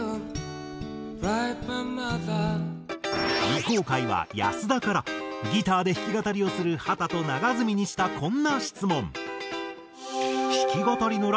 未公開は安田からギターで弾き語りをする秦と永積にしたこんな質問。